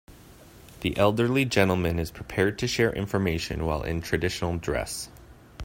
The elderly gentleman is prepared to share information while in traditional dress.